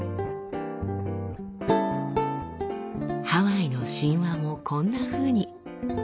ハワイの神話もこんなふうに。